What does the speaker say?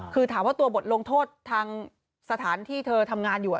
คือถามว่าตัวบทลงโทษทางสถานที่เธอทำงานอยู่